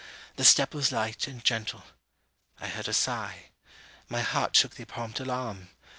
The step was light and gentle. I heard a sigh. My heart took the prompt alarm.